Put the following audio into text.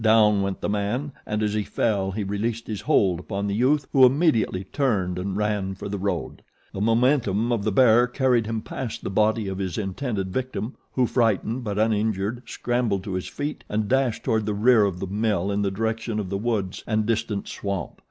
Down went the man and as he fell he released his hold upon the youth who immediately turned and ran for the road. The momentum of the bear carried him past the body of his intended victim who, frightened but uninjured, scrambled to his feet and dashed toward the rear of the mill in the direction of the woods and distant swamp.